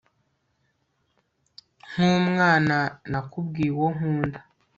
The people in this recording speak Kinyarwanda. Nkumwana nakubwiye uwo nkunda